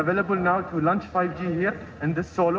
kami membuatnya tersedia untuk meluncurkan lima g di kota solo